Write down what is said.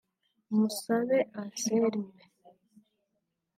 Musabe Anselme